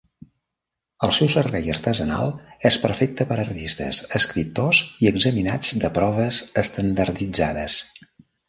El seu servei artesanal és perfecte per artistes, escriptors i examinats de proves estandarditzades.